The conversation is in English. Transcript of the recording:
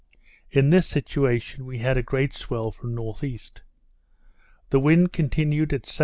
In this situation we had a great swell from N.E. The wind continued at S.E.